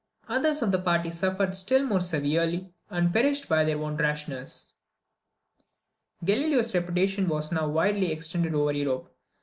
Others of the party suffered still more severely, and perished by their own rashness. Galileo's reputation was now widely extended over Europe.